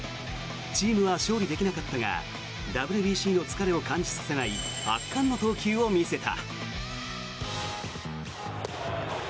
チームは勝利できなかったがＷＢＣの疲れを感じさせない圧巻の投球を見せた。